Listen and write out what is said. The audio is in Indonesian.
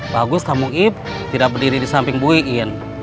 bagus kamu ip tidak berdiri di samping bu iin